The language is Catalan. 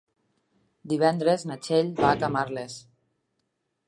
Divendres na Txell va a Camarles.